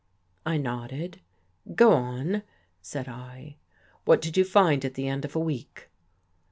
" I nodded. " Go on," said 1. " What did you find at the end of a week?